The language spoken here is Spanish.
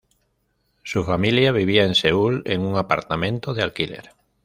Su familia vivía en Seúl, en un apartamento de alquiler.